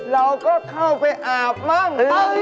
เราก็เข้าไปอาบมั่ง